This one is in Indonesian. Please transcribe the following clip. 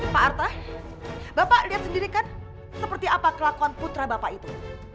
pak arta bapak lihat sendiri kan seperti apa kelakuan putra bapak itu